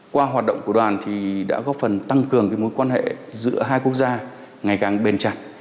qua hoạt động của đoàn thì đã góp phần tăng cường mối quan hệ giữa hai quốc gia ngày càng bền chặt